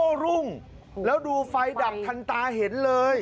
ก็รุ่งแล้วดูไฟดับทันตาเห็นเลย